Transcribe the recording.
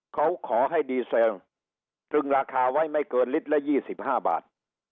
เขาขอให้ดีเซลตรึงราคาไว้ไม่เกินลิตรละ๒๕บาท